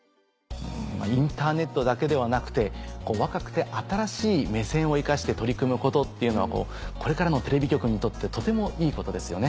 インターネットだけではなくて若くて新しい目線を生かして取り組むことっていうのはこれからのテレビ局にとってとてもいいことですよね。